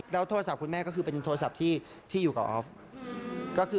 แล้วทดสอบคุณแม่ก็คือที่อยู่กับออฟ